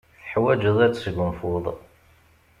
Teḥwajeḍ ad tesgunfuḍ.